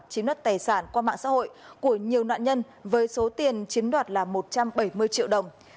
chiếm đoạt tài sản qua mạng xã hội của nhiều nạn nhân với số tiền chiếm đoạt là một trăm bảy mươi triệu đồng